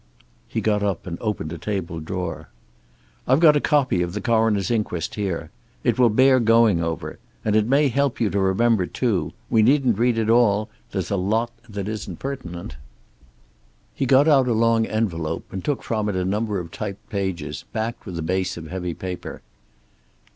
He got up and opened a table drawer. "I've got a copy of the coroner's inquest here. It will bear going over. And it may help you to remember, too. We needn't read it all. There's a lot that isn't pertinent." He got out a long envelope, and took from it a number of typed pages, backed with a base of heavy paper.